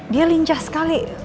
dia lincah sekali